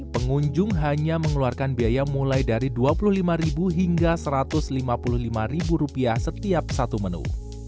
pengunjung hanya mengeluarkan biaya mulai dari rp dua puluh lima hingga rp satu ratus lima puluh lima setiap satu menu